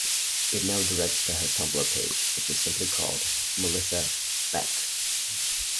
It now directs to her Tumblr page, which is simply called Melissa Beck.